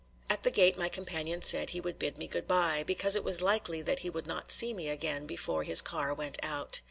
At the gate my companion said he would bid me good by, because it was likely that he would not see me again before his car went out.